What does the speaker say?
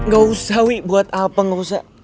gak usah wik buat apa gak usah